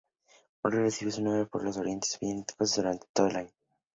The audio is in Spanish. Hurricane recibe su nombre por los fuertes vientos que tiene durante todo el año.